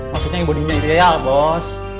maksudnya bodinya ideal bos